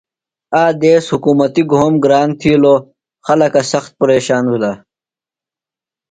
آ دیس حُکمتیۡ گھوم گران تِھیلوۡ۔ خلکہ سخت پیرشان بِھلہ۔